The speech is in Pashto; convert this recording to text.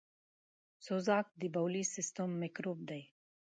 سوزک دبولي سیستم میکروب دی .